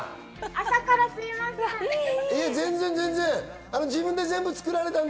朝からすいません。